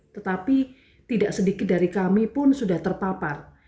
tetapi tidak sedikit dari kami pun sudah terpapar